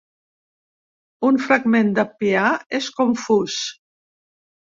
Un fragment d'Appià és confús.